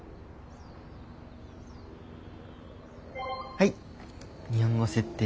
はい日本語設定完了。